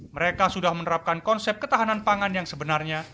mereka sudah menerapkan konsep ketahanan pangan yang sebenarnya